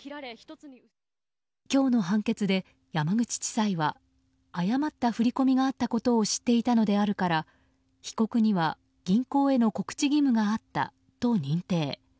今日の判決で、山口地裁は誤った振り込みがあったことを知っていたのであるから被告には銀行への告知義務があったと認定。